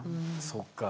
そっか。